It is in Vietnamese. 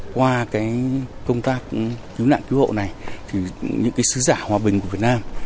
qua cái công tác cứu nạn cứu hộ này thì những cái xứ giả hòa bình của việt nam